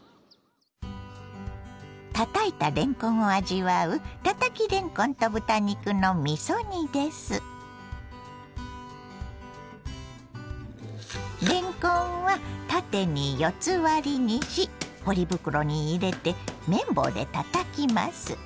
たたいたれんこんを味わうれんこんは縦に四つ割りにしポリ袋に入れて麺棒でたたきます。